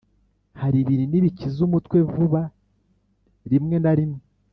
hari ibinini bikiza umutwe vuba rimwe na rimwe,